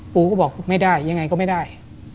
กูก็บอกไม่ได้ยังไงก็ไม่ได้